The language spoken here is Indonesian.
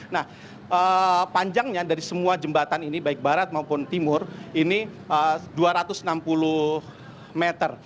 nah panjangnya dari semua jembatan ini baik barat maupun timur ini dua ratus enam puluh meter